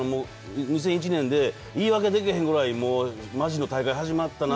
２００１年で、言いわけできへんぐらいマジの大会が始まったな。